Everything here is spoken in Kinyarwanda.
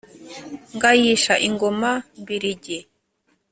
ngayisha ingoma mbiligi